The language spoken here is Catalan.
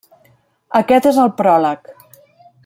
Aquest és el pròleg.